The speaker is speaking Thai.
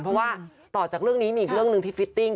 เพราะว่าต่อจากเรื่องนี้มีอีกเรื่องหนึ่งที่ฟิตติ้ง